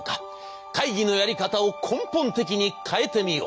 会議のやり方を根本的に変えてみよう！